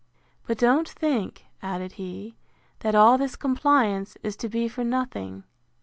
—But don't think, added he, that all this compliance is to be for nothing.